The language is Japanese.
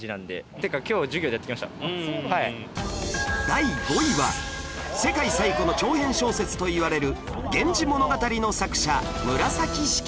第５位は世界最古の長編小説といわれる『源氏物語』の作者紫式部